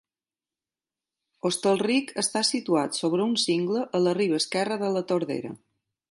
Hostalric està situat sobre un cingle a la riba esquerra de la Tordera.